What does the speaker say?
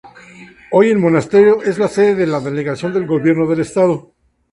Hoy el monasterio es la sede de la delegación del Gobierno del Estado.